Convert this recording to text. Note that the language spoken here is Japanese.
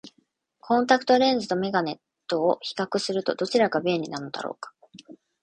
コンタクトレンズと眼鏡とを比較すると、どちらが便利なのだろうか。